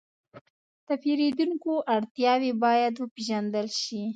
د پیرودونکو اړتیاوې باید وپېژندل شي.